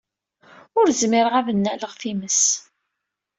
Ur zmireɣ ad nnaleɣ times.